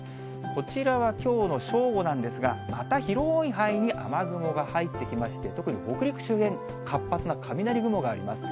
こちらはきょうの正午なんですが、また広い範囲に雨雲が入ってきまして、特に北陸周辺、活発な雷雲があります。